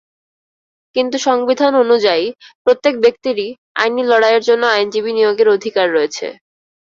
কিন্তু সংবিধান অনুযায়ী, প্রত্যেক ব্যক্তিরই আইনি লড়াইয়ের জন্য আইনজীবী নিয়োগের অধিকার রয়েছে।